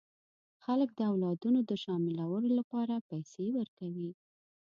خلک د اولادونو د شاملولو لپاره پیسې ورکوي.